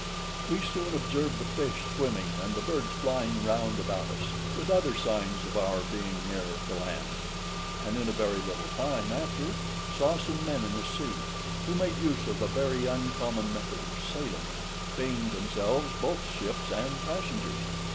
We soon observed the fish swimming and the birds flying round about us, with other signs of our being near the land; and in a very little time after saw some men in the sea, who made use of a very uncommon method of sailing, being themselves both ships and passengers.